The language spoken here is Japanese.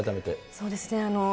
そうですね。